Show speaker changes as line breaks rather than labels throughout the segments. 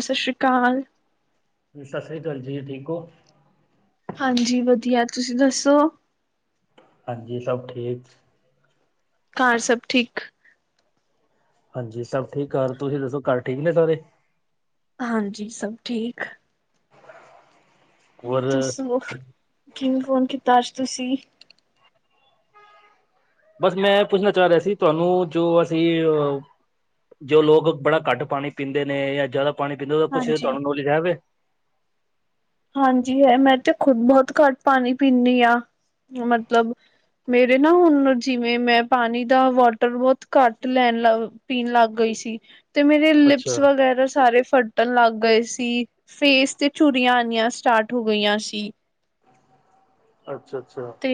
ਸਤਿ ਸ਼੍ਰੀ ਅਕਾਲ।
ਸਤਿ ਸ੍ਰੀ ਅਕਾਲ ਜੀ, ਠੀਕ ਹੋ?
ਹਾਂਜੀ, ਵਧੀਆ ਤੁਸੀਂ ਦੱਸੋ?
ਹਾਂਜੀ, ਸਭ ਠੀਕ,
ਘਰ, ਸਭ ਠੀਕ,
ਹਾਂਜੀ, ਸਭ ਠੀਕ ਕਰ ਤੁਸੀਂ ਦੱਸੋ ਘਰ ਠੀਕ ਨੇ ਸਾਰੇ?
ਹਾਂਜੀ, ਸਭ ਠੀਕ।
ਹੋਰ
ਦੱਸੋ ਕਿਵੇਂ, ਫੋਨ ਕੀਤਾ ਅੱਜ ਤੁਸੀਂ?
ਬਸ ਮੈਂ ਪੁੱਛਣਾ, ਚਾਹ ਰਿਹਾ ਸੀ ਤੁਹਾਨੂੰ ਜੋ ਅਸੀਂਅਸੀਂ ਏ ਓਂ ਜੋ ਲੋਕ ਬੜਾ ਘੱਟ ਪਾਣੀ ਪੀਂਦੇ ਨੇ, ਜਾਂ ਜ਼ਿਆਦਾ ਪਾਣੀ ਪੀਂਦੇ, ਉਹਦਾ ਕੁਛ
ਹਾਂਜੀ
ਤੁਹਾਨੂੰ ਨੌਲੇਜ ਹੈਵੇ
ਹਾਂਜੀ, ਹੈ ਮੈਂ ਤੇ ਖੁਦ ਬਹੁਤ ਘੱਟ ਪਾਣੀ ਪੀਂਦੀ, ਹਾਂ ਮਤਲਬ ਮੇਰੇ ਨਾ ਹੁਣ ਜਿਵੇਂ, ਮੈਂ ਪਾਣੀ ਦਾ ਵਾਟਰ ਬਹੁਤ ਘੱਟ ਲੈਣ ਲਾ ਪੀਣ ਲੱਗ ਗਈ ਸੀ। ਤੇ ਮੇਰੇ ਲਿਪਸ
ਅੱਛਾ
ਵਗੈਰਾ, ਸਾਰੇ ਫਟਣ ਲੱਗ ਗਏ ਸੀ। ਫੇਸ ਤੇ ਚੁਰੀਆਂ ਰ ਸਟਾਰਟ ਹੋ ਗਈਆਂ ਸੀ।
ਅੱਛਾ- ਅੱਛਾ
ਤੇ,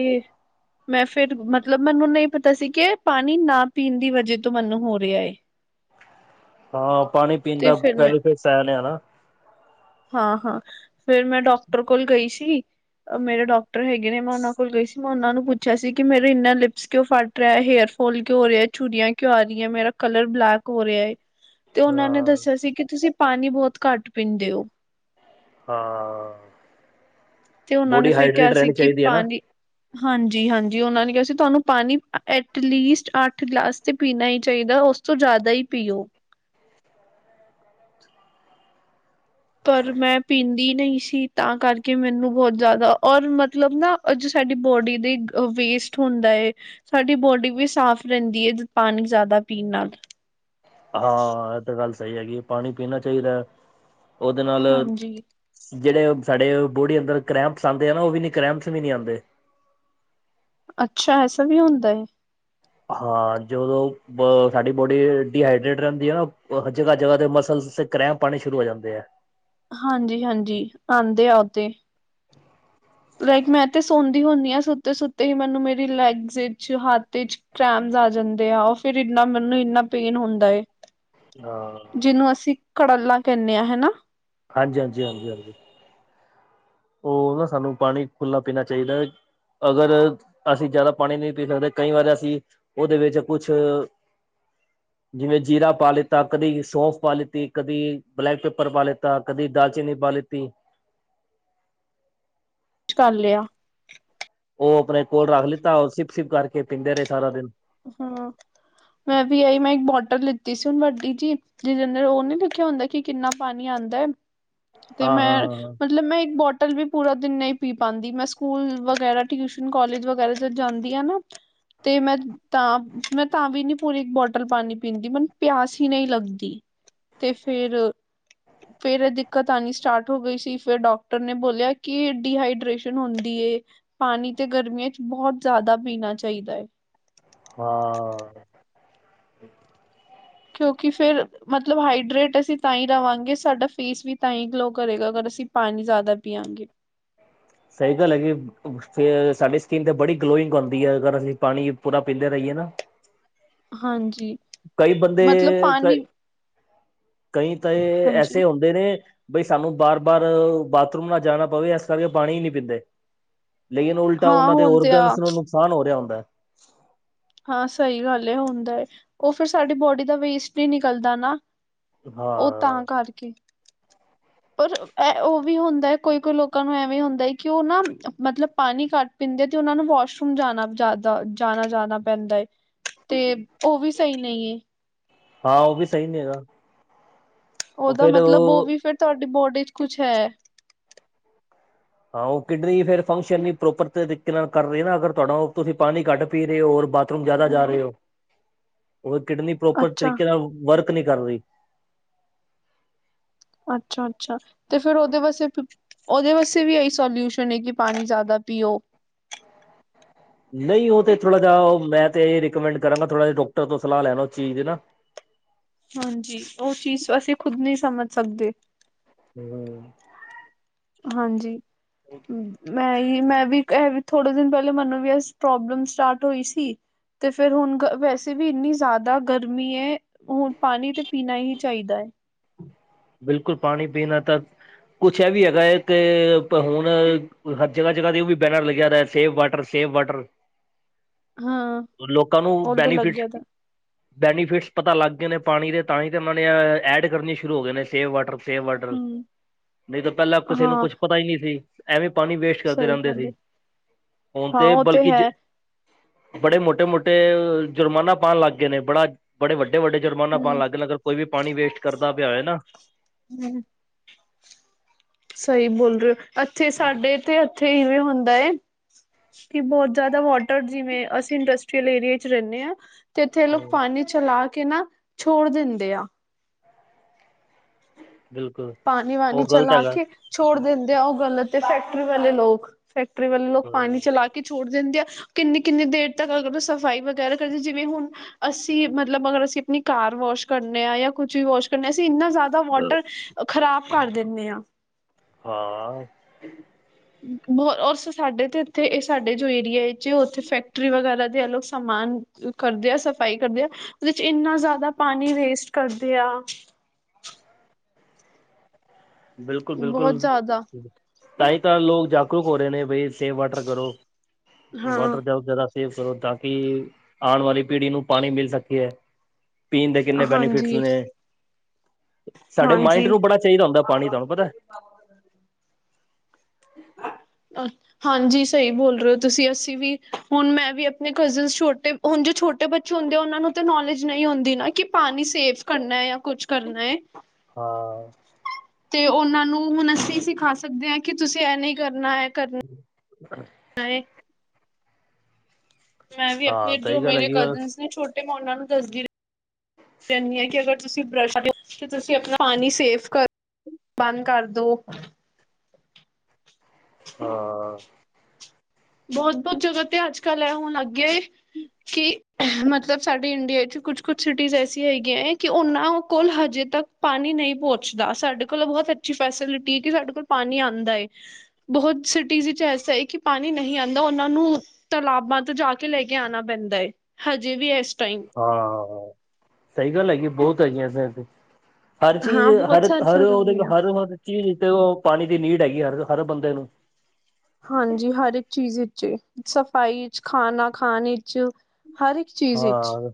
ਮੈਂ ਫਿਰ ਮਤਲਬ, ਮੈਨੂੰ ਨਹੀਂ ਪਤਾ ਸੀ ਕਿ ਪਾਣੀ ਨਾ ਪੀਣ ਦੀ ਵਜ੍ਹੇ ਤੋਂ, ਮੈਨੂੰ ਹੋ ਰਿਹਾ ਏ
ਹਾਂ, ਪਾਣੀ ਪੀਣ
ਤੇ
ਦਾ
ਫਿਰ ਮੈਂ
ਬੈਨੀਫਿਟ ਸ ਨੇ ਹਨਾ।
ਹਾਂ -ਹਾਂ ਫੇਿਰ ਮੈਂ ਡਾਕਟਰ ਕੋਲ ਗਈ ਸੀ, ਮੇਰੇ ਡਾਕਟਰ ਹੈਗੇ ਨੇ, ਮੈਂ ਉਹਨਾਂ ਕੋਲ ਗਈ ਸੀ। ਮੈਂ ਉਹਨਾਂ ਨੂੰ ਪੁੱਛਿਆ ਸੀ ਕਿ ਮੇਰੇ ਇੰਨਾ ਲਿਪਸ ਕਿਉਂ ਫਟ ਰਿਹਾ ਹੇਅਰ ਫੋਲ ਕਿਉਂ ਰਿਹਾ ਛੁਰੀਆਂ ਕਿਉ ਆ ਰਹੀ ਹੈ, ਮੇਰਾ ਕਲਰ ਬਲੈਕ ਹੋ ਰਿਹਾ ਏ,
ਹ [inaudible]
ਤੇ ਉਹਨਾਂ ਨੇ ਦੱਸਿਆ ਸੀ ਕਿ, ਤੁਸੀਂ ਪਾਣੀ ਬਹੁਤ ਘੱਟ ਪੀਂਦੇ ਹੋ?
ਹਾਂ
ਤੇ ਉਹਨਾਂ
ਬੋਡੀ
ਨੇ ਫਿਰ ਕਿਹਾ
ਹਾਈਡਰੇਟ
ਸੀ,
ਰਹਿਣੀ
ਕਿ
ਚਾਹੀਦੀ ਹੈ ਨਾ
ਪਾਣੀ ਹਾਂਜੀ -ਹਾਂਜੀ ਉਹਨਾਂ ਨੇ ਕਿਹਾ ਸੀ, ਤੁਹਾਨੂੰ ਪਾਣੀ ਐਟਲੀਸਟ ਅੱਠ ਗਲਾਸ ਤੇ,, ਪੀਣਾ ਹੀ ਚਾਹੀਦਾ ਉਸ ਤੋਂ ਜ਼ਿਆਦਾ ਹੀ ਪੀਓ? ਪਰ ਮੈਂ, ਪੀਂਦੀ ਨਹੀਂ ਸੀ। ਤਾਂ ਕਰਕੇ ਮੈਨੂੰ, ਬਹੁਤ ਜ਼ਿਆਦਾ ਔਰ ਮਤਲਬ ਨਾ, ਜੋ ਸਾਡੀ ਬੋਡੀ ਦੇ ਵੇਸਟ ਹੁੰਦਾ ਏ, ਸਾਡੀ ਬੋਡੀ ਵੀ, ਸਾਫ਼ ਰਹਿੰਦੀ ਹੈ ਪਾਣੀ ਜ਼ਿਆਦਾ ਪੀਣ ਨਾਲ
ਹਾਂ, ਇਹ ਤਾਂ ਗੱਲ ਸਹੀ ਹੈਗੀ, ਪਾਣੀ ਪੀਣਾ ਚਾਹੀਦਾ ਉਹਦੇ ਨਾਲ
ਹਾਂਜੀ
ਜਿਹੜੇ ਸਾਡੇ ਬੋਡੀ ਅੰਦਰ, ਕਰੈਂਪਸ ਆਂਦੇ ਆ ਨਾ, ਉਹ ਵੀ ਨੀ ਕਰੈਂਪਸ ਵੀ ਨੀ ਆਉਂਦੇ
ਅੱਛਾ, ਐਸਾ ਵੀ ਹੁੰਦਾ ਹੈ।
ਹਾਂ ਜਦੋਂ, ਬ ਸਾਡੀ ਬੋਡੀ ਡੀਹਾਈਡਰੇਟ ਰਹਿੰਦੀ ਹੈ ਨਾ, ਜਗ੍ਹਾ -ਜਗ੍ਹਾ ਤੇ ਮਸਲ ਕਰ੍ਰੈਮ ਪਾਣੇ ਸ਼ੁਰੂ ਹੋ ਜਾਂਦੇ ਆ
ਹਾਂਜੀ -ਹਾਂਜੀ ਆਉਂਦੇ -ਆਉਦੇ ਲਾਈਕ ਮੈਂ ਤੇ ਸੌਦੀ ਹੁੰਦੀ ਹਾਂ, ਸੁੱਤੇ- ਸੁੱਤੇ ਹੀ ਮੈਨੂੰ ਮੇਰੀ ਲੈਗਜ਼, ਵਿੱਚ ਹੱਥ ਵਿੱਚ ਚਾਦ ਆ ਜਾਂਦੇ ਆ, ਉਹ ਫਿਰ ਇਨਾ ਮੈਨੂੰ ਇੰਨਾ ਪੇਨ ਹੁੰਦਾ ਏ
ਹਾਂ,
ਜਿਹਨੂੰ ਅਸੀਂ, ਕੜਲਾ ਕਹਿੰਦੇ ਹਾਂ ਹਨਾ।
ਹਾਂਜੀ -ਹਾਂਜੀ, ਹਾਂਜੀ, ਹਾਂਜੀ, ਉਹ ਨਾ, ਸਾਨੂੰ ਪਾਣੀ ਖੁੱਲ੍ਹਾ ਪੀਣਾ ਚਾਹੀਦਾ। ਅਗਰ ਅਸੀਂ ਜ਼ਿਆਦਾ ਪਾਣੀ, ਨਹੀਂ ਪੀ ਸਕਦੇ ਕਈ ਵਾਰ ਅਸੀਂ ਉਹਦੇ, ਵਿੱਚ ਕੁਛ, ਜਿਵੇਂ ਜੀਰਾ ਪਾ ਲਿੱਤਾ, ਕਦੀ ਸੌਂਫ ਪਾ ਲਿੱਤੀ, ਕਦੀ ਬਲੈਕ ਪੇਪਰ ਪਾ ਲਿੱਤਾ, ਕਦੀ ਦਾਲਚੀਨੀ, ਪਾ ਲਿੱਤੀ
ਕਰ ਲਿਆ।
ਉਹ ਆਪਣੇ, ਕੋਲ ਰੱਖ ਲਿੱਤਾ, ਉਹ ਸਿਪ -ਸਿਪ ਕਰਕੇ ਪੀਂਦੇ ਰਹੇ ਸਾਰਾ ਦਿਨ
ਹਮ ਮੈਂ ਵੀ, ਆਈ ਮੈਂ ਇੱਕ ਬੋਟਲ ਲਿੱਤੀ ਸੀ, ਹੁਣ ਵੱਡੀ ਜਿਹੀ ਜਿਦੇ ਦੇ, ਉਹ ਨੀ ਲਖਿਆ ਹੁੰਦਾ ਕਿ ਕਿੰਨਾ ਪਾਣੀ ਆਉਂਦਾ, ਹੈ ਤੇ
ਹਾਂ ਹਾਂ
ਮੈਂ,
ਹਾਂ ਹਾਂ।
ਮਤਲਬ ਮੈਂ ਇੱਕ ਬੋਟਲ ਵੀ ਪੂਰਾ ਦਿਨ ਨਹੀਂ ਪੀ ਪਾਉਂਦੀ। ਮੈਂ ਸਕੂਲ ਵਗੈਰਾ, ਟਿਊਸ਼ਨ, ਕੋਲਜ ਵਗੈਰਾ, ਤੇ ਜਾਂਦੀ ਆ ਨਾ, ਤੇ ਮੈਂ, ਤਾਂ ਮੈਂ ਤਾਂ ਵੀ ਨੀ, ਪੂਰੀ ਇੱਕ ਬੋਟਲ ਪਾਣੀ ਪੀਂਦੀ। ਮੈਨੂੰ ਪਿਆਸ ਹੀ ਨਹੀਂ ਲੱਗਦੀ। ਤੇ ਫੇਰ, ਫੇਰ ਦਿੱਕਤ ਆਉਣੀ ਸਟਾਰਟ ਹੋ ਗਈ ਸੀ। ਫੇਰ ਡਾਕਟਰ ਨੇ ਬੋਲਿਆ ਕਿ ਡੀ ਹਾਈਡ੍ਰੇਸ਼ਨ ਹੁੰਦੀ ਐ। ਪਾਣੀ ਤੇ ਗਰਮੀਆਂ ਚ ਬਹੁਤ ਜ਼ਿਆਦਾ ਪੀਣਾ ਚਾਹੀਦਾ ਹੈ।
ਹਾਂ।
ਕਿਉਂਕਿ ਫੇਰ, ਮਤਲਬ ਹਾਈਡਰੇਟ ਅਸੀਂ ਤਾਂ ਹੀ ਰਵਾਂਗੇ, ਸਾਡਾ ਫੇਸ ਵੀ ਤਾਂ ਹੀ ਗਲੋ ਕਰੇਗਾ ਅਗਰ ਅਸੀਂ ਪਾਣੀ ਜ਼ਿਆਦਾ ਪੀਵਗੇ।
ਸਹੀ ਗੱਲ ਹੈਗੀ ਹੈ। ਫੇਰ ਸਾਡੀ ਸਕਿੰਨ ਤੇ ਬੜੀ ਗਲੋਇੰਗ ਆਉਂਦੀ ਹੈ। ਅਗਰ ਅਸੀਂ ਪਾਣੀ ਪੂਰਾ ਪੀਂਦੇ ਰਹੀਏ ਨਾ।
ਹਾਂਜੀ।
ਕਈ ਬੰਦੇ
ਮਤਲਬ
ਕ
ਪਾਣੀ
ਕਈ ਤਾਂ
ਹਾਂਜੀ
ਐਸੇ ਹੁੰਦੇ ਨੇ, ਬਈ ਸਾਨੂੰ ਬਾਰ- ਬਾਰ ਬਾਥਰੂਮ ਨਾ ਜਾਣਾ ਪਵੇ, ਇਸ ਕਰਕੇ ਪਾਣੀ ਨਹੀਂ ਪੀਂਦੇ। ਲੇਕਿਨ ਉਲਟਾ
ਹਾਂ
ਉਹਨਾਂ ਦੇ
ਹੁੰਦੇ
ਔਰਗਨ
ਆ
ਨੂੰ ਨੁਕਸਾਨ ਹੋ ਰਿਹਾ ਹੁੰਦਾ ਹੈ।
ਹਾਂ ਸਹੀ ਗੱਲ ਹੈ, ਹੁੰਦਾ ਹੈ। ਉਹ ਫੇਰ ਸਾਡੀ ਬੋਡੀ ਦਾ ਵੇਸਟ ਹੀ ਨਿਕਲਦਾ ਨਾ। ਉਹ
ਹਾਂ
ਤਾਂ ਕਰਕੇ। ਪਰ ਇਹ, ਉਹ ਵੀ ਹੁੰਦਾ ਹੈ। ਕੋਈ- ਕੋਈ ਲੋਕਾਂ ਨੂੰ ਐਵੇ ਹੁੰਦਾ ਹੈ ਕਿ, ਉਹ ਨਾ ਮਤਲਬ ਪਾਣੀ ਘਟ ਪੀਂਦੇ ਤੇ ਉਹਨਾ ਨੂੰ ਵਾਸ਼ਰੂਮ ਜਾਣਾ ਦਾ ਜਾਣਾ ਜਾਦਾ ਪੈਂਦਾ ਹੈ। ਤੇ ਉਹ ਵੀ ਸਹੀ ਨਹੀਂ ਏ।
ਹਾਂ, ਉਹ ਵੀ ਸਹੀ ਨਹੀਂ ਹੈਗਾ। ਉਹ
ਉਹਦਾ
ਫੇਰ
ਮਤਲਬ ਉਹ ਵੀ ਫੇਰ, ਤੁਹਾਡੀ ਬੋਡੀ ਚ ਕੁਛ ਹੈ।
ਹਾਂ ਉਹ ਕਿਡਨੀ ਫੇਰ ਫੰਕਸ਼ਨ ਹੀ ਪ੍ਰੋਪਰ ਤਰੀਕੇ ਨਾਲ ਕਰ ਰਹੀ ਨਾ। ਅਗਰ ਤੁਹਾਡਾ ਤੁਸੀਂ ਪਾਣੀ ਕੱਢ ਪੀ ਰਹੇ ਹੋ, ਔਰ ਬਾ- ਥਰੂਮ ਜਿਆਦਾ ਜਾ
ਹਮ
ਰਹੇ ਹੋ। ਉਹ ਕਿਡਨੀ ਪ੍ਰੋਪਰ
ਅੱਛਾ
ਤਰੀਕੇ ਨਾਲ ਵਰਕ ਨਹੀਂ ਕਰ ਰਹੀ।
ਅੱਛਾ- ਅੱਛਾ ਤੇ ਫੇਰ ਉਹਦੇ ਵਸੇ, ਉਹਦੇ ਵਾਸਤੇ ਵੀ ਇਹੀ ਸੋਲਿਊਸ਼ਨ ਕਿ ਪਾਣੀ ਜ਼ਿਆਦਾ ਪੀਓ।
ਨਹੀਂ ਉਹ ਤੇ ਥੋੜਾ ਜਿਹਾ ਉਹ ਹੋਂਦਾ ਤੇ ਇਹ, ਰਿਕਮੈਂਡ ਕਰਾਂ ਥੋੜਾ ਜਿਹਾ ਡਾਕਟਰ ਤੋਂ ਸਲਾਹ ਲੈ ਦੋ, ਉਹ ਚੀਜ਼ ਨਾ-
ਹਾਂਜੀ, ਉਹ ਚੀਜ਼ ਅਸੀਂ ਖੁਦ ਨਹੀਂ ਸਮਝ ਸਕਦੇ।
ਹੂੰ।
ਹਾਂਜੀ, ਹੂੰ। ਮੈਂ ਹੀ, ਮੈਂ ਵੀ ਇਹ ਥੋੜੇ ਦਿਨ ਪਹਿਲੇ ਮੈਨੂੰ ਵੀ, ਪ੍ਰੋਬਲਮ ਸਟਾਰਟ ਹੋਈ ਸੀ। ਤੇ ਫੇਰ ਹੁਣ ਵੈਸੇ ਵੀ, ਇੰਨੀ ਜ਼ਿਆਦਾ ਗਰਮੀ ਹੈ। ਹੁਣ ਪਾਣੀ ਤੇ, ਪੀਣਾ ਹੀ ਚਾਹੀਦਾ ਹੈ।
ਬਿਲਕੁਲ ਪਾਣੀ ਪੀਣਾ ਤਾਂ, ਕੁਛ ਇਹ ਵੀ ਹੈਗਾ ਇਹ ਤੇ, ਹੁਣ ਹਰ ਜਗਾ- ਜਗਾ ਤੇ ਉਹ ਵੀ ਬੈਨਰ ਲੱਗਿਆ, ਸੇਫ ਵਾਟਰ- ਸੇਫ ਵਾਟਰ।
ਹਾਂ
ਲੋਕਾਂ ਨੂੰ
ਉਹ ਤੇ
ਬੈਨੀਫਿਟ
ਲੱਗਿਆ ਤਾਂ
ਕੀ, ਬੈਨੀਫਿਟਸ ਪਤਾ ਲੱਗ ਗਏ ਨੇ ਪਾਣੀ ਦੇ, ਤਾਂ ਹੀ ਤੇ ਉਹਨਾਂ ਨੇ ਐਡ ਕਰਨੀ ਸ਼ੁਰੂ ਹੋ ਗਏ ਨੇ, ਸੇਵ ਵਾਟਰ- ਸੇਵ ਵਾਟਰਸੇਮ
ਹੂੰ।
ਨਹੀਂ ਤਾਂ ਪਹਿਲਾਂ ਕਿਸੇ ਨੂੰ
ਹਾਂ
ਕੁਛ ਪਤਾ ਹੀ ਨਹੀਂ ਸੀ। ਐਵੇਂ ਪਾਣੀ ਵੇਸਟ ਕਰਦੇ
ਸਹੀ
ਰਹਿੰਦੇ
ਗੱਲ ਹੈ
ਸੀ। ਹੁਣ
ਹਾਂ
ਤੇ
ਉਹ
ਬਲਕੀ
ਹੈ।
ਜ- ਬੜੇ ਮੋਟੇ- ਮੋਟੇ ਜੁਰਮਾਨਾ ਪਾਉਣ ਲੱਗ ਗਏ ਨੇ। ਬੜਾ- ਬੜੇ ਵੱਡੇ- ਵੱਡੇ ਜੁਰਮਾਨਾ ਪਾਉਣ
ਹੂੰ।
ਲੱਗ ਗਿਆ। ਅਗਰ ਕੋਈ ਵੀ ਪਾਣੀ ਵੇਸਟ ਕਰਦਾ ਪਿਆ ਹੈ ਨਾ।
[unintelligible] ਸਹੀ ਬੋਲ ਰਹੇ ਹੋ। ਇੱਥੇ ਸਾਡੇ ਤੇ ਇੱਥੇ ਇਵੇਂ ਹੁੰਦਾ ਹੈ। ਕਿ ਬਹੁਤ ਜਿਆਦਾ ਵਾਟਰ ਜਿਵੇਂ, ਅਸੀਂ ਇੰਡਸਟ੍ਰਅਲ ਏਰੀਏ ਚ ਰਹਿੰਦੇ ਹਾਂ। ਤੇ ਇੱਥੇ ਲੋਕ
ਹੂੰ
ਪਾਣੀ ਚਲਾ ਕੇ ਨਾ, ਛੋੜ ਦਿੰਦੇ ਐ।
ਬਿਲਕੁਲ।
ਪਾਣੀ- ਵਾਣੀ
ਉਹ ਗ਼ਲਤ
ਚਲਾ
ਹੈਗਾ
ਕੇ, ਛੋੜ ਦਿੰਦੇ ਆ। ਉਹ ਗਲਤ ਤੇ ਫੈਕਟਰੀ ਵਾਲੇ ਲੋਕ ਫੈਕਟਰੀ ਵਾਲੇ ਲੋਕ ਪਾਣੀ
ਹਾਂ
ਚਲਾ ਕੇ। ਛੋੜ ਦਿੰਦੇ ਆ। ਕਿੰਨੀ- ਕਿੰਨੀ ਦੇਰ ਤੱਕ ਅਗਰ ਸਫ਼ਾਈ ਵਗੈਰਾ ਕਰਦੀ ਜਿਵੇਂ ਹੁਣ। ਅਸੀਂ ਮਤਲਬ ਅਗਰ ਅਸੀਂ ਆਪਣੀ ਕਾਰ ਵਾਸ਼ ਕਰਨੇ ਹਾਂ। ਜਾਂ ਕੁੱਝ ਵੀ ਵਾਸ਼ ਕਰਨੇ ਅਸੀਂ ਇੰਨਾ ਜ਼ਿਆਦਾ। ਉਹਦਾ ਵਾਟਰ ਖ਼ਰਾਬ ਕਰ ਦਿੰਣੇ ਆਂ।
ਹਾਂ
ਬੋ ਔ ਔਰ ਸਾਡੇ ਤੇ ਇੱਥੇ ਇਹ ਸਾਡੇ ਜੋ ਏਰੀਆ ਜੇ ਉੱਥੇ ਫੈਕਟਰੀ ਵਗੈਰਾ ਦੇ ਸਮਾਨ ਕਰਦੇ ਆ, ਸਫ਼ਾਈ ਕਰਦੇ ਆ, ਉਹਦੇ ਚ ਇੰਨਾ ਜ਼ਿਆਦਾ ਪਾਣੀ ਵੇਸਟ ਕਰਦੇ ਆ।
ਬਿਲਕੁਲ
ਬਹੁਤ
ਬਿਲਕੁਲ
ਜ਼ਿਆਦਾ
ਤਾਂ ਹੀ ਤਾਂ ਲੋਕ ਜਾਗਰੂਕ ਹੋ ਰਹੇ ਨੇਂ, ਬਈ ਸੇਵ ਵਾਟਰ ਕਰੋ।
ਹਾਂ
ਵਾਟਰ ਜਾਓ ਜ਼ਿਆਦਾ ਸੇਵ ਕਰੋ ਤਾਂ ਕਿ ਆਉਣ ਵਾਲੀ ਪੀੜ੍ਹੀ ਨੂੰ ਪਾਣੀ ਮਿਲ ਸਕੀ ਐ। ਪੀਣ ਦੇ ਕਿੰਨੇ ਬੈਨੀਫਿਟਸ
ਹਾਂਜੀ
ਨੇਂ, ਸਾਡੇ ਮਾਇੰਡ
ਹਾਂਜੀ
ਨੂੰ ਬੜਾ ਚਾਈਦਾ ਹੁੰਦਾ ਪਾਣੀ ਤੁਹਾਨੂੰ ਪਤਾ
[unintelligible] ਅੱ ਹਾਂਜੀ ਸਹੀ ਬੋਲ ਰਹੇ ਹੋ ਤੁਸੀਂ, ਅਸੀਂ ਵੀ, ਹੁਣ ਮੈਂ ਵੀ ਆਪਣੇ ਕਜ਼ਨ ਛੋਟੇ ਹੁਣ ਜੋ ਛੋਟੇ ਬੱਚੇ ਹੁੰਦੇ ਆ ਉਹਨਾਂ ਨੂੰ ਤਾਂ ਨੌਲੇਜ ਨਈਂ ਹੁੰਦੀ ਨਾਂ ਕਿ ਪਾਣੀ ਸੇਫ ਕਰਨਾ ਜਾਂ ਕੁਛ ਕਰਨਾ ਐ।
ਹਾਂ
ਤੇ ਉਹਨਾਂ ਨੂੰ ਹਨ ਅਸੀਂ ਸਿਖਾ ਸਕਦੇ ਆਂ ਕਿ ਤੁਸੀਂ ਇਹ ਨਈਂ ਕਰਨਾ, ਇਹ ਕਰਨਾ।
[unintelligible]
ਹਾਏ ਮੈਂ ਵੀ
ਹਾਂ
ਆਪਣੇ ਜੋ
ਸਹੀ ਗੱਲ
ਮੇਰੇ
ਹੈਗੀ ਆ।
ਕਜ਼ਨਸ ਨੇਂ ਛੋਟੇ ਮੈਂ ਉਹਨਾਂ ਨੂੰ ਦੱਸਦੀ ਰਹਿੰਣੀ ਆਂ ਕਿ ਅਗਰ ਤੁਸੀਂ ਬਰਸ਼ [unintelligible] ਤੁਸੀਂ ਆਪਣਾ ਪਾਣੀ ਸੇਫ ਕਰੋ, ਬੰਦ ਕਰਦੋ।
ਹਾਂ।
ਬਹੁਤ-ਬਹੁਤ ਜਗ੍ਹਾ ਤੇ ਅੱਜ-ਕੱਲ੍ਹ ਐ ਹੁਣ ਲੱਗ ਗਿਆ ਏ ਕਿ [unintelligible] ਮਤਲਬ ਸਾਡੇ ਇੰਡੀਆ ਚ ਕੁਛ-ਕੁਛ ਸਿਟੀਜ਼ ਐਸੀਆਂ ਹੈਗੀਆਂ ਐਂ ਕਿ ਉਹਨਾਂ ਕੋਲ ਹਜੇ ਤੱਕ ਪਾਣੀ ਨਈਂ ਪਹੁੰਚਦਾ, ਸਾਡੇ ਕੋਲ ਬਹੁਤ ਅੱਛੀ ਫੈਸਿਲਿਟੀ ਕਿ ਸਾਡੇ ਕੋਲ ਪਾਣੀ ਆਂਦਾ ਏ। ਬਹੁਤ ਸਿਟੀਜ਼ ਇੱਚ ਐਸਾ ਹੈ ਕਿ ਪਾਣੀ ਨਹੀਂ ਆਂਦਾ ਉਹਨਾਂ ਨੂੰ ਤਲਾਬਾਂ ਤੋਂ ਜਾ ਕੇ ਲੈ ਕੇ ਆਣਾ ਪੈਂਦਾ ਐ, ਹਜੇ ਵੀ ਇਸ ਟਾਈਮ।
ਹਾਂ, ਸਹੀ ਗੱਲ ਹੈਗੀ ਐਂ, ਬਹੁਤ ਹੈਗੀ ਆਂ ਐਸੇ, ਐਸੇ ਹਰ ਚੀਜ਼
ਹਾਂ ਬਹੁਤ
ਹਰ
ਸਾਰੀ
ਹਰ
ਜਗ੍ਹਾ
ਉਹਦੇ
ਵੀ ਆ
ਹਰ ਹਰ ਚੀਜ਼ਥ ਉਹ ਪਾਣੀ ਦੀ ਨੀਡ ਹੈਗੀ ਹਰ ਹਰ ਬੰਦੇ ਨੂੰ।
ਹਾਂਜੀ ਹਰ ਇੱਕ ਚੀਜ਼ ਵਿੱਚ ਸਫ਼ਾਈ ਚ ਖਾਣਾ ਖਾਣ ਵਿੱਚ ਹਰ ਇੱਕ ਚੀਜ਼ ਵਿੱਚ
ਹਾਂ,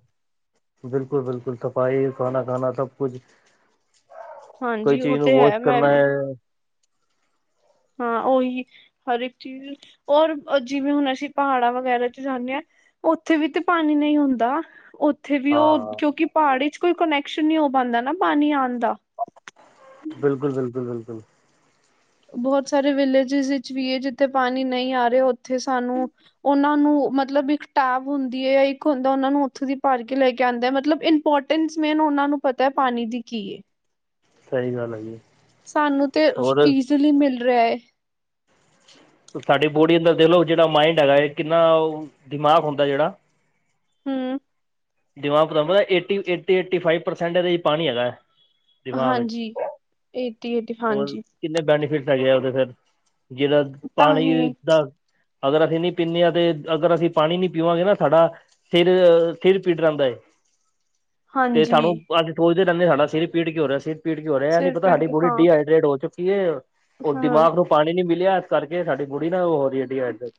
ਬਿਲਕੁਲ ਬਿਲਕੁਲ ਸਫ਼ਾਈ ਖਾਨਾ ਖਾਣਾ ਸਭ ਕੁਛ ਕੋਈ
ਹਾਂਜੀ ਉਹ
ਚੀਜ਼ ਨੂੰ
ਤੇ
ਵੋਸ਼
ਹੈ ਮੈਂ
ਕਰਨਾ
ਵੀ
ਐ
ਹਾਂ ਉਹੀ ਹਰ ਇੱਕ ਚੀਜ਼ ਔਰ ਜਿਵੇਂ ਹੁਣ ਅਸੀਂ ਪਹਾੜਾਂ ਵਗੈਰਾ ਚ ਜਾਂਣੇ ਆਂ। ਉੱਥੇ ਵੀ ਤੇ ਪਾਣੀ ਨਹੀਂ ਹੁੰਦਾ ਉੱਥੇ ਵੀ ਉਹ
ਹਾਂ
ਕਿਉਂਕਿ ਪਹਾੜ ਚ ਕੋਈ ਕੁਨੈਕਸ਼ਨ ਨਈਂ ਹੋ ਪਾਂਦਾ ਨਾਂ ਪਾਣੀ ਆਣ ਦਾ।
ਬਿਲਕੁਲ, ਬਿਲਕੁਲ, ਬਿਲਕੁਲ।
ਬਹੁਤ ਸਾਰੇ ਵਿਲੇਜਿਸ ਵਿੱਚ ਵੀ ਜਿੱਥੇ ਪਾਣੀ ਨਈਂ ਆ ਰਿਹਾ, ਉੱਥੇ ਸਾਨੂੰ ਉਹਨਾ ਨੂੰ ਮਤਲਬ ਇੱਕ ਟੈਬ ਹੁੰਦੀ ਐ ਇੱਕ ਹੁੰਦਾ ਉਹਨਾਂ ਨੂੰ ਉੱਥੋਂ ਦੀ ਪਾਰਕਿੰਗ ਲੈ ਕੇ ਆਉਂਦੇ ਮਤਲਬ ਇੰਪੋਰਟ ਟਿੰਨਸਮੇਨ ਉਹਨਾਂ ਨੂੰ ਪਤਾ ਏ, ਪਾਣੀ ਦੀ ਕੀ ਏ?
ਜੀ ਸਹੀ ਗੱਲ ਐ, ਜੀ।
ਸਾਨੂੰ ਤੇ ਈਜ਼ਲੀ ਮਿਲ ਰਿਹਾ ਐ।
ਸਾਡੀ ਬੋਡੀ ਅੰਦਰ ਦੇਖ ਲਓ ਜਿਹੜਾ ਮਾਈਂਡ ਹੈਗਾ ਇਹ ਕਿੰਨਾ ਦਿਮਾਗ ਹੁੰਦਾ ਜਿਹੜਾ
ਹਂ
ਦਿਮਾਗ ਪਤ ਏਟੀ, ਏਟੀ ਫਾਈਵ ਪਰਸੈਂਟ ਇਹਦਾ ਪਾਣੀ ਹੈਗਾ। ਦਿਮਾਗ ਵਿੱਚ
ਹਾਂਜੀ, ਏਟੀ ਏਟੀ
ਔਰ
ਹਾਂਜੀ।
ਕਿੰਨੇ ਬੈਨੀਫਿਟ ਹੈਗੇ ਆ ਉਹਦੇ ਫਿਰ ਜਿਹੜਾ
ਤਾਂ
ਪਾਣੀ
ਹੀ
ਦਾ ਅਗਰ ਅਸੀਂ ਨਹੀਂ ਪੀਂਣੇ ਆਂ ਤੇ ਅਗਰ ਅਸੀਂ ਪਾਣੀ ਨੀਂ ਪੀਵਾਂਗੇ ਨਾ ਸਾਡਾ ਫਿਰ, ਫਿਰ ਪੀਡ ਰੈਂਦਾ ਏ। ਤੇ
ਹਾਂਜੀ
ਸਾਨੂੰ ਅੱਜ ਸੋਚਦੇ ਰਹਿੰਦੇ ਸਿਰ ਪੀੜ ਕੀ ਹੋ ਰਿਹਾ ਸਿਰ ਪੀ ਕੀ ਹੋ ਰਿਹਾ ਇਹ ਨੀ
ਸਿਰ
ਪਤਾ
ਪੀੜ
ਸਾਡੀ
ਕੇ
ਬੋੜੀ
ਹਾਂ
[unintelligible] ਹੋ ਚੁੱਕੀ ਉਹ
ਹਾਂ
ਦਿਮਾਗ ਨੂੰ ਪਾਣੀ ਨੀਂ ਮਿਲਿਆ ਇਸ ਕਰਕੇ ਸਾਡੀ ਬੋੜੀ ਨਾ ਹੋਰੀ ਡਿਹਾਇਡਰੇਟ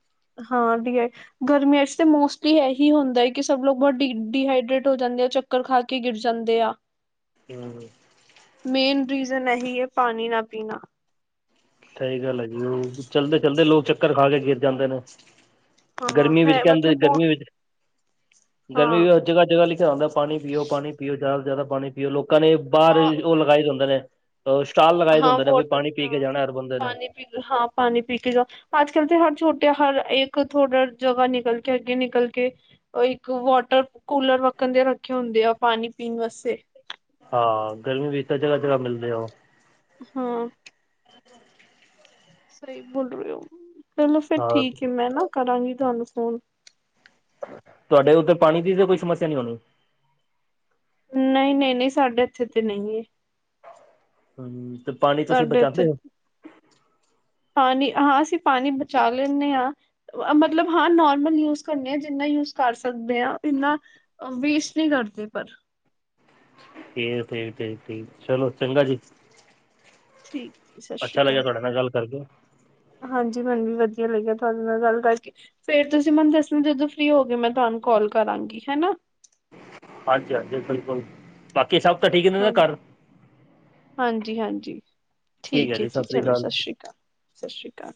ਹਾਂ ਡਿ ਆ ਗਰਮੀਆਂ ਚ ਤੇ ਮੋਸਟਲੀ ਇਹੀ ਹੁੰਦਾ ਕਿ ਸਭ ਲੋਕ ਬਹੁਤ ਡੀ ਡੀਹਾਈਡਰੇਟ ਹੋ ਜਾਂਦੇ ਆ, ਚੱਕਰ ਖਾ ਕੇ ਗਿਰ ਜਾਂਦੇ ਆ।
ਹੂੰ
ਮੇਨ ਰੀਜ਼ਨ ਇਹੀ ਹੈ, ਪਾਣੀ ਨਾ ਪੀਣਾ।
ਸਹੀ ਗੱਲ ਹੈ ਜੀ, ਉਹ ਚੱਲਦੇ-ਚਲਦੇ ਲੋਕ ਚੱਕਰ ਖਾਕੇ ਗਿਰ ਜਾਂਦੇ ਨੇ।
ਹਾਂ
ਗਰਮੀ ਵਿੱਚ
ਹੈ
ਕਹਿੰਦੇ,
ਮਤਲਬ ਬਹੁਤ
ਗਰਮੀ ਵਿੱਚ, ਗਰਮੀ
ਹਾਂ
ਵੀ ਜਗ੍ਹਾ-ਜਗ੍ਹਾ ਲਿਖਿਆ ਹੁੰਦਾ ਪਾਣੀ ਪੀਓ, ਪਾਣੀ ਪੀਓ, ਜ਼ਿਆਦਾ ਤੋਂ ਜ਼ਿਆਦਾ ਪਾਣੀ ਵੀ ਉਹ ਲੋਕਾਂ ਨੇ ਬਾਹਰ
ਹਾਂ
ਉਹ ਲਗਾਏ ਦੇ ਹੁੰਦੇ ਨੇ, ਸਟਾਲ ਲਗਾਏਦੇ
ਹਾਂ
ਹੁੰਦੇ ਨੇ, ਵੀ
ਵੋਟਰ
ਪਾਣੀ ਪੀਕੇ ਜਾਣਾ ਹੁੰਦੇ ਨੇ।
ਹਾਂ, ਪਾਣੀ ਪੀਕੇ ਜਾਓ। ਆਜ-ਕਲ ਤੇ ਹਰ ਛੋਟਾ, ਹਰ ਇੱਕ ਥੋੜਾ ਜਗ੍ਹਾ ਨਿਕਲਕੇ, ਅੱਗੇ ਨਿਕਲਕੇ ਉਹ ਇੱਕ ਵੌਟਰ-ਕੂਲਰ ਵੱਖਣ ਦੇ ਰੱਖੇ ਹੁੰਦੇ ਆ, ਪਾਣੀ ਪੀਣ ਵਾਸਤੇ।
ਹਾ, ਗਰਮੀ ਵਿੱਚ ਤਾ ਜਗ੍ਹਾ-ਜਗ੍ਹਾ ਮਿਲਦੇ ਓ।
ਹਾਂ
[inaudible]
ਸਹੀ ਬੋਲ ਰਹੇ ਓ, ਚਲੋ ਫਿਰ
ਹਾਂ
ਠੀਕ ਹੈ, ਮੈਂ ਨਾ ਕਰਾਂਗੀ ਤੁਹਾਨੂੰ ਫੋਨ।
ਤੁਹਾਡੇ ਉੱਧਰ, ਪਾਣੀ ਦੀ ਤਾਂ ਕੋਈ ਸਮੱਸਿਆ ਨੀ ਹੋਣੀ।
ਨਹੀਂ, ਨਹੀਂ-ਨਹੀਂ ਸਾਡੇ ਇੱਥੇ ਤੇ ਨਹੀਂ ਏ।
ਹੂੰ, ਤੇ ਪਾਣੀ ਤੁਸੀਂ
ਸਾਡੇ ਇੱਥੇ
ਬਚਾਂਦੇ ਹੋ?
ਹਾਂ, ਨਹੀ, ਹਾ, ਅਸੀ ਪਾਣੀ ਬਚਾ ਲੈਂਨੇ ਆ, ਅ ਬ ਮਤਲਬ ਹਾਂ ਨੌ ਮੰਲ ਯੂਜ ਕਰਨੇ ਆ, ਜਿੰਨਾ ਯੂਜ ਕਰ ਸਕਦੇ ਆਂ, ਇੰਨਾ ਵੇਸਟ ਨੀ ਕਰਦੇ ਪਰ।
ਫੇਰ, ਫੇਰ, ਫੇਰ, ਚਲੋ ਚੰਗਾ ਜੀ।
ਠੀਕ ਸਤਿ ਸ਼੍ਰੀ
ਅੱਛਾ
ਅਕਾਲ
ਲੱਗਿਆ ਤੁਹਾਡੇ ਨਾਲ ਗੱਲ ਕਰਕੇ।
ਹਾਂਜੀ, ਮੈਨੂੰ ਵੀ ਵਧੀਆ ਲੱਗਿਆ ਤੁਹਾਡੇ ਨਾਲ ਗੱਲ ਕਰਕੇ, ਫੇਰ ਤੁਸੀਂ ਮੈਨੂੰ ਦਸਣਾ, ਜਦੋਂ ਫ੍ਰੀ ਹੋਗੇ ਮੈਂ ਤੁਹਾਨੂੰ ਕੌਲ ਕਰਾਂਗੀ ਹੈਨਾ‌।
ਹਾਂਜੀ-ਹਾਂਜੀ, ਬਿਲਕੁਲ। ਬਾਕੀ ਸਭ ਤਾ ਠੀਕ ਨੇ,
ਹਾਂ
ਨਾ
ਹਾਂਜੀ।
ਘਰ।
ਹਾਂਜੀ-ਹਾਂਜੀ ਠੀਕ ਏ ਜੀ, ਚਲੋ ਸਤਿ ਸ਼੍ਰੀ ਅਕਾਲ, ਸਤਿ ਸ਼੍ਰੀ ਅਕਾਲ।